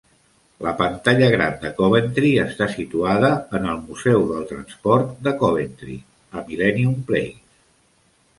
La pantalla gran de Coventry està situada en el Museu del Transport de Coventry, en Millennium Place.